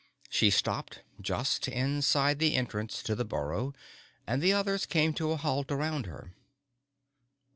She stopped, just inside the entrance to the burrow and the others came to a halt around her.